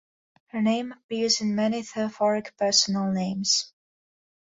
Her name appears in many theophoric personal names.